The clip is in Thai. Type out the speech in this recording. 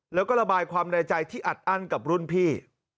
แล้วก็ระบายความในใจที่อัดอั้นกับรุ่นพี่